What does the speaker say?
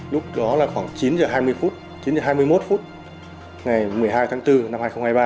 lúc đó là khoảng chín h hai mươi chín h hai mươi một phút ngày một mươi hai tháng bốn năm hai nghìn hai mươi ba